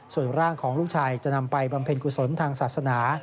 ส่วนร่างของลูกชายจะนำไปบำเพ็ญกุศลทางศาสนา